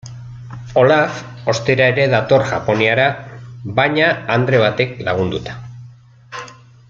Olaf ostera ere dator Japoniara, baina andre batek lagunduta.